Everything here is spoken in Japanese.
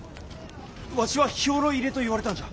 わしは兵糧入れと言われたんじゃ。